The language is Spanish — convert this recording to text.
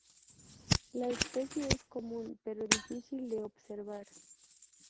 La especie es común pero difícil de observar.